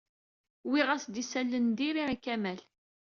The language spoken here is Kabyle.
Wwiɣ-as-d isalan n diri i Kamal.